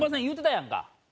言うてたやんか。